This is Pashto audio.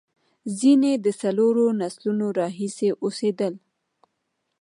ځینې د څلورو نسلونو راهیسې اوسېدل.